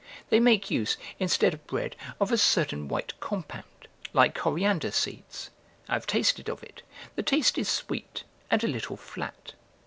They make use, instead of bread, of a certain white compound, like coriander seeds; I have tasted of it; the taste is sweet and a little flat.